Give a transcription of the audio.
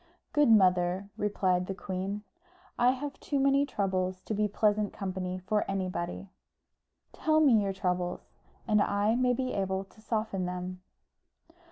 "Good mother," replied the queen, "I have too many troubles to be pleasant company for anybody." "Tell me your troubles, and I may be able to soften them."